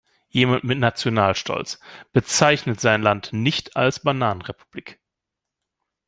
Jemand mit Nationalstolz bezeichnet sein Land nicht als Bananenrepublik.